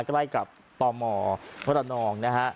ใกล้กับต่อหมอพระนองนะฮะ